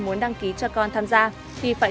muốn đăng ký cho con tham gia thì phải